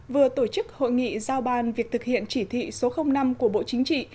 vừa tổ chức hội nghị giao ban việc thực hiện chỉ thị số năm của bộ chính trị